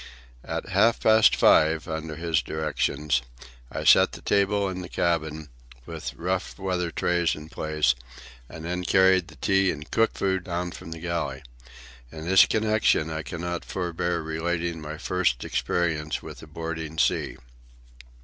At half past five, under his directions, I set the table in the cabin, with rough weather trays in place, and then carried the tea and cooked food down from the galley. In this connection I cannot forbear relating my first experience with a boarding sea.